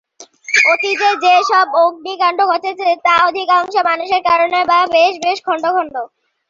অতীতে যে সব অগ্নিকাণ্ড ঘটেছে তার অধিকাংশই মানুষের কারণে যা বেশ খণ্ড খণ্ড।